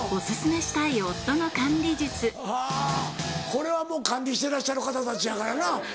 これはもう管理してらっしゃる方たちやからな。